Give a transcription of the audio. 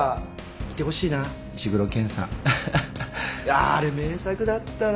あれ名作だったな。